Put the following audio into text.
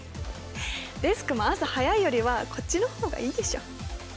デスクも朝早いよりはこっちの方がいいでしょ。